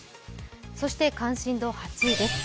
そして関心度８位です。